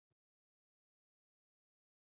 卡祖尔莱贝济耶。